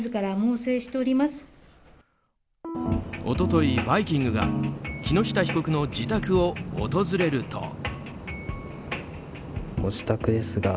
一昨日、「バイキング」が木下被告の自宅を訪れると。